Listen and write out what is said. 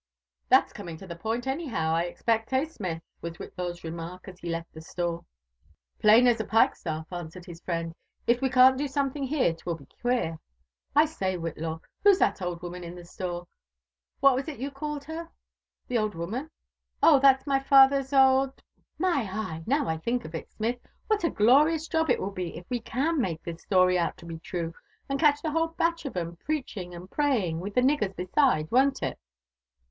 ''That's coming to the point anyhow, I expect *eb, Sodth? was Whitlaw's remark as he left the store. ''Plain as a pikeHstaff," answered his friend. "It weean'tdo something hete, 'twill be queer. I say, Whitlaw, who's that old woman in the store ? Whal was it you ealled her ?"'' The old woman ? Oh, that's my father's ol d ■ M y eye I now I think of it, Smith, what a glorious job it will be if we can make this story out to be true, and catch the whole bateh of 'em preaching and praying, with the niggers beside, won't it?"